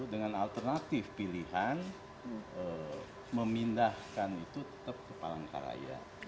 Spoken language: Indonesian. dengan alternatif pilihan memindahkan itu tetap ke palangkaraya